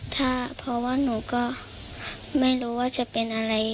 ถ้าเพราะว่าหนูก็ไม่รู้ว่าจะเป็นอะไร